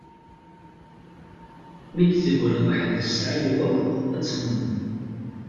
Mi d-teggra weḥds tesɛa lweqt ad txemmem.